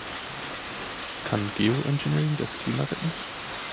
Kann Geo-Engineering das Klima retten?